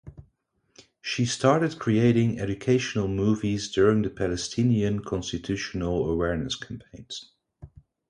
She started creating educational movies during the Palestinian constitutional awareness campaigns.